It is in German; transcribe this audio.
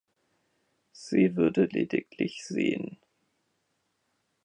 Sie würde lediglich sehen.